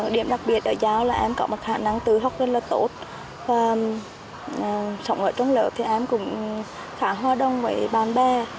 điểm đặc biệt ở giáo là em có một khả năng tự học rất là tốt và sống ở trong lớp thì em cũng khá hòa đồng với bạn bè